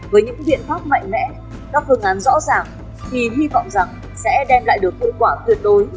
với những biện pháp mạnh mẽ các phương án rõ ràng thì hy vọng rằng sẽ đem lại được hiệu quả tuyệt đối